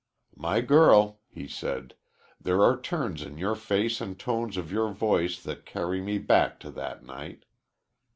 "My girl," he said, "there are turns of your face and tones of your voice that carry me back to that night.